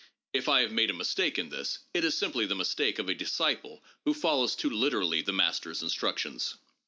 If I have made a mistake in this, it is simply the mistake of a disciple who follows too literally the master's instructions.